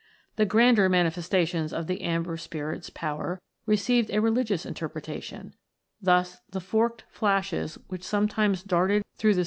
The grander manifestations of the Amber Spirit's power received a religious interpretation ; thus, the forked flashes which sometimes darted through the 16 THE AMBER SPIRIT.